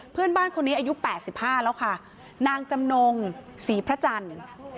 เพื่อนบ้านคนนี้อายุ๘๕แล้วค่ะนางจำนงศรีพระจันทร์